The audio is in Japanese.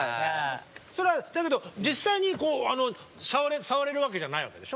それはだけど実際にあの触れるわけじゃないわけでしょ？